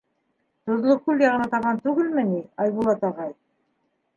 — Тоҙло күл яғына табан түгелме ни, Айбулат ағай?